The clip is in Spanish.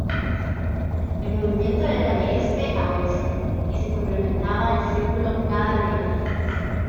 El movimiento era de este a oeste, y se completaba el círculo cada día.